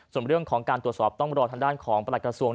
ส่วนเรื่องของการตรวจสอบต้องรอทางด้านของประหลักกระทรวง